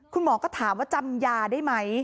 คุณหมอก็ถามว่าจำยาได้ไหม